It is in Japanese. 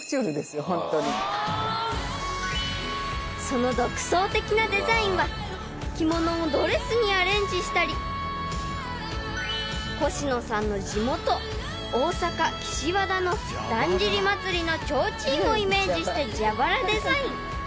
［その独創的なデザインは着物をドレスにアレンジしたりコシノさんの地元大阪岸和田のだんじり祭の提灯をイメージした蛇腹デザイン］